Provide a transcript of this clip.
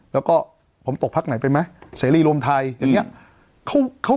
แล้วก็ผมตกพักไหนไปไหมเสรีรวมไทยอย่างนี้